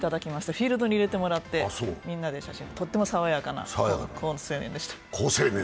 フィールドに入れてもらってみんなで写真、とっても爽やかな好青年でした。